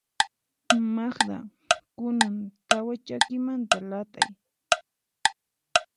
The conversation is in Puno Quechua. Magda, kunan tawa chakimanta lat'ay.